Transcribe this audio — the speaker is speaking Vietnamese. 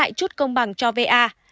và lấy lại chút công bằng cho v a